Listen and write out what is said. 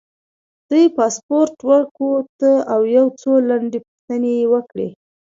دوی پاسپورټ وکوت او یو څو لنډې پوښتنې یې وکړې.